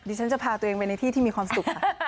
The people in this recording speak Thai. ฉันจะพาตัวเองไปในที่ที่มีความสุขค่ะ